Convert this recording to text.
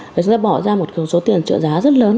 để chúng ta bỏ ra một số tiền trợ giá rất lớn